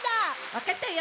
わかったよ。